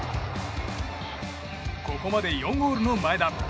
ここまで４ゴールの前田。